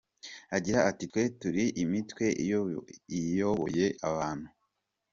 Agira ati “Twe turi imitwe iyoboye abantu.